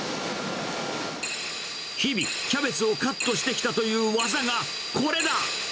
日々、キャベツをカットしてきたという技がこれだ。